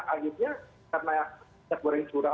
akhirnya karena minyak goreng curah